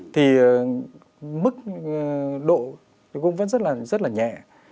thì mức độ cũng vẫn rất là nhẹ